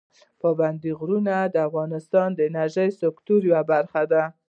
پابندي غرونه د افغانستان د انرژۍ سکتور یوه برخه ده.